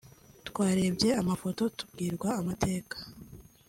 twarebye amafoto tubwirwa amateka